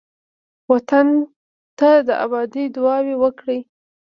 وطن ته د آبادۍ دعاوې وکړئ.